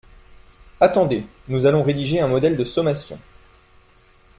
Attendez, nous allons rédiger un modèle de sommation.